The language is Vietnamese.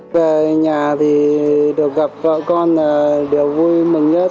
về nhà thì được gặp vợ con là điều vui mừng nhất